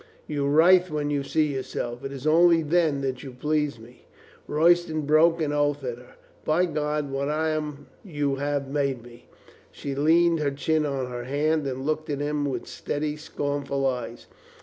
You writhe when you see yourself. It is only then you please me." Royston broke an oath at her. "By God, what I am you have made me." She leaned her chin on her hand and looked at him with steady, scornful eyes.